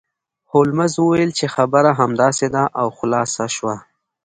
هولمز وویل چې خبره همداسې ده او خلاصه شوه